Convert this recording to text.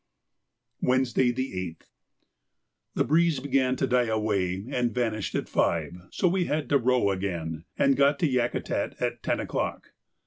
Wednesday, the 8th.—The breeze then began to die away, and vanished at five, so we had to row again, and got to Yakutat at ten o'clock.